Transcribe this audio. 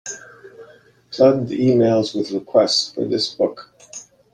Flood the mails with requests for this book.